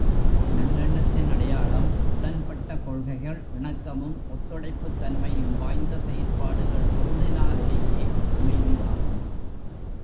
நல்லெண்ணத்தின் அடையாளம் உடன்பட்ட கொள்கைகள் இணக்கமும், ஒத்துழைப்புத் தன்மையும் வாய்ந்த செயற்பாடுகள் பொருந்தினாலேயே அமைதியாகும்.